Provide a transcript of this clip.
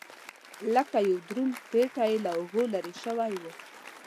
لکه یو دروند پېټی یې له اوږو لرې شوی و.